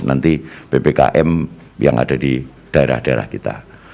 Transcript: nanti ppkm yang ada di daerah daerah kita